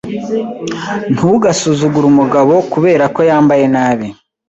Ntugasuzugure umugabo kubera ko yambaye nabi.